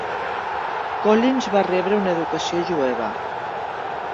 Collins va rebre una educació jueva.